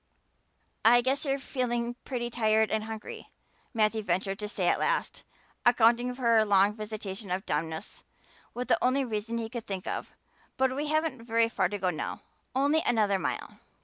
"I guess you're feeling pretty tired and hungry," Matthew ventured to say at last, accounting for her long visitation of dumbness with the only reason he could think of. "But we haven't very far to go now only another mile."